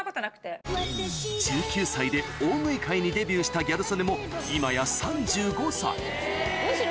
１９歳で大食い界にデビューしたギャル曽根も今やむしろ。